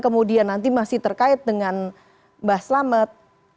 kemudian nanti masih terkait dengan mbak selamat